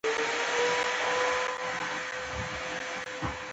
احمد زما کار ته اېښ پېښ ولاړ وو.